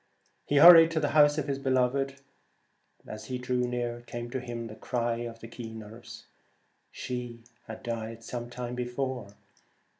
He hurried to the house of his beloved. As he drew near came to him the cry of the keeners. She had died some time before he came.